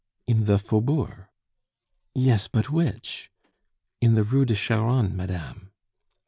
"In the Faubourg." "Yes, but which?" "In the Rue de Charonne, madame."